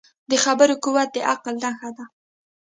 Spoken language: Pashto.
د خبرو قوت د عقل نښه ده